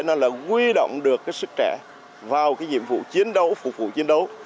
nó là quy động được cái sức trẻ vào cái nhiệm vụ chiến đấu phục vụ chiến đấu